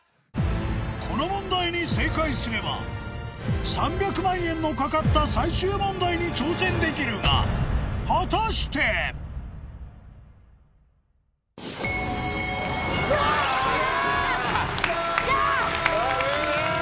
この問題に正解すれば３００万円の懸かった最終問題に挑戦できるが果たして⁉危ねぇ！